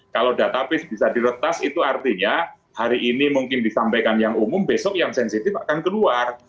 kalau database bisa diretas itu artinya hari ini mungkin disampaikan yang umum besok yang sensitif akan keluar